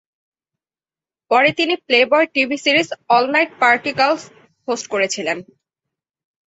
পরে তিনি Playboy TV series "all night party girls" host করেছিলেন।